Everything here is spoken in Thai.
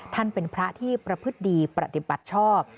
ท่านเป็นพระที่ประพฤติดีปฏิบัติชอบ